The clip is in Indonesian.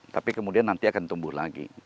tapi kemudian nanti akan tumbuh lagi